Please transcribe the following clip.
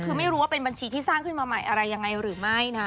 คือไม่รู้ว่าเป็นบัญชีที่สร้างขึ้นมาใหม่อะไรยังไงหรือไม่นะ